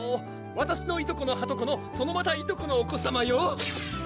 わたしのいとこのはとこのそのまたいとこのお子さまよ！